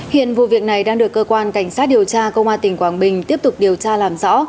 hiện vụ việc này đang được cơ quan cảnh sát điều tra công an tỉnh quảng bình tiếp tục điều tra làm rõ